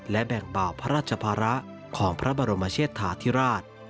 และแบ่งเบาพระราชภาระของพระบรมเชษฐาธิราช